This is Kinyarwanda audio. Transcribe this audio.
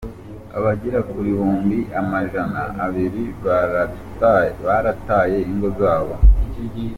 Abagera ku bihumbi amajana abiri barataye ingo zabo.